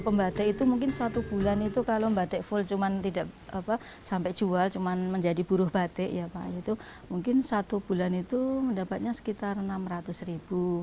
pembatik itu mungkin satu bulan itu kalau batik full sampai jual cuma menjadi buruh batik mungkin satu bulan itu mendapatnya sekitar enam ratus ribu